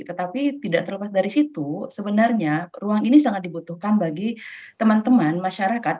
tetapi tidak terlepas dari situ sebenarnya ruang ini sangat dibutuhkan bagi teman teman masyarakat